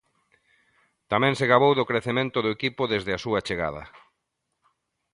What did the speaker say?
Tamén se gabou do crecemento do equipo desde a súa chegada.